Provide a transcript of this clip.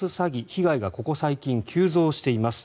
被害がここ最近、急増しています。